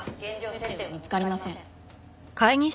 接点は見つかりません。